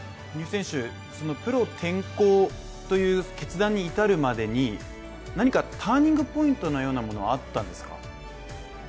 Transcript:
プロ転向という決断に至るまでに何かターニングポイントのようなものはあったんですか。